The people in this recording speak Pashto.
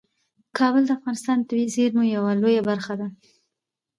کابل د افغانستان د طبیعي زیرمو یوه لویه برخه ده.